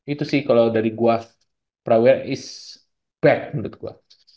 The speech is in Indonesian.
itu sih kalau dari gue pra wira is bad menurut gue